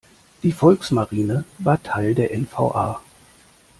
Die Volksmarine war Teil der N-V-A.